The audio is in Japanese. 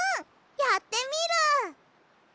やってみる！